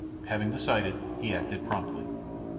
Having decided, he acted promptly.